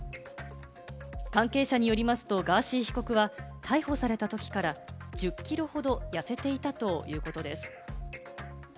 関係者によりますと、ガーシー被告は逮捕されたときから１０ｋｇほど痩せていたということです。